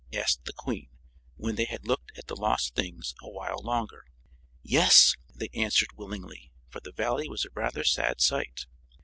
asked the Queen, when they had looked at the lost things a while longer. "Yes," they answered willingly, for the Valley was a rather sad sight.